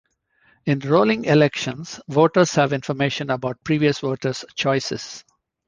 In rolling elections, voters have information about previous voters' choices.